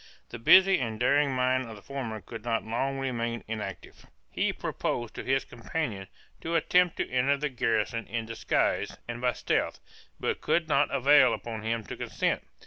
The busy and daring mind of the former could not long remain inactive; he proposed to his companion to attempt to enter the garrison in disguise and by stealth, but could not prevail upon him to consent.